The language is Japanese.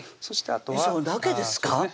そしてあとはえっそんだけですか？